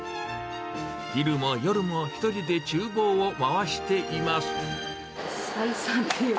昼も夜も一人でちゅう房を回して採算って。